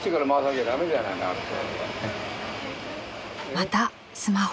［またスマホ］